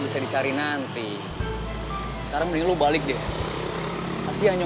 gue yang paling dalam